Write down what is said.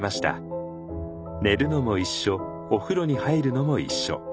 寝るのも一緒お風呂に入るのも一緒。